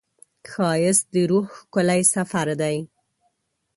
ښایست د روح ښکلی سفر دی